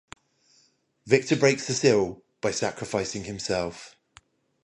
Victor breaks the seal by sacrificing himself.